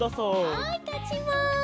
はいたちます。